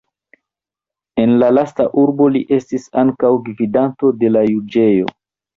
En la lasta urbo li estis ankaŭ gvidanto de la juĝejo.